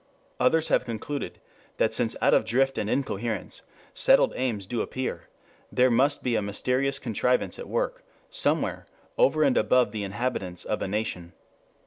Others have concluded that since out of drift and incoherence, settled aims do appear, there must be a mysterious contrivance at work somewhere over and above the inhabitants of a nation.